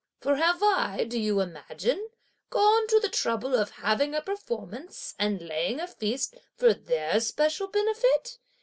For have I, do you imagine, gone to the trouble of having a performance and laying a feast for their special benefit?